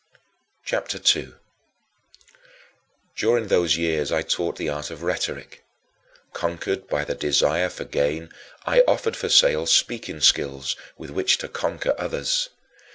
CHAPTER II 2. During those years I taught the art of rhetoric. Conquered by the desire for gain, I offered for sale speaking skills with which to conquer others.